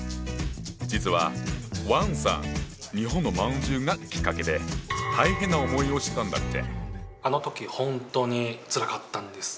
実は王さん日本の饅頭がきっかけで大変な思いをしたんだって！